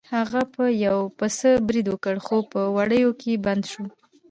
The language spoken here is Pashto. هغه په یو پسه برید وکړ خو په وړیو کې بند شو.